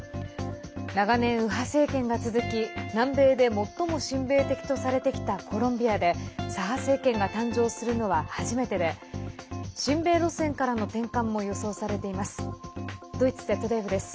長年、右派政権が続き南米で最も親米的とされてきたコロンビアで左派政権が誕生するのは初めてで親米路線からの転換も予想されています。